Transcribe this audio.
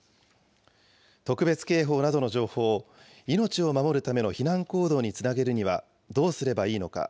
特別警報などの情報を命を守るための避難行動につなげるにはどうすればいいのか。